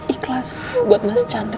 ikhlas buat mas chandra